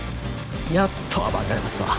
やっと暴れられますわ。